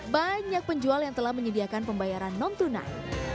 banyak penjual yang telah menyediakan pembayaran non tunai